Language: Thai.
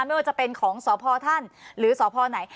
ไม่ว่าจะเป็นของสอบพอร์ท่านหรือสอบพอร์ไหน